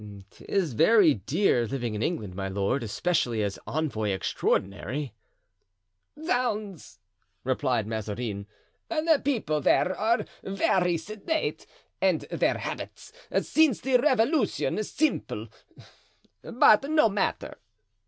"'Tis very dear living in England, my lord, especially as envoy extraordinary." "Zounds!" replied Mazarin, "the people there are very sedate, and their habits, since the revolution, simple; but no matter."